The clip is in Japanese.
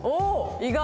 意外。